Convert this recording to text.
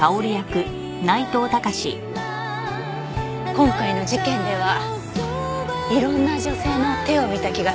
今回の事件ではいろんな女性の手を見た気がするわ。